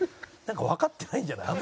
わかってないんじゃない？